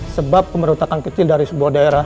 sebab pemberontakan kecil dari sebuah daerah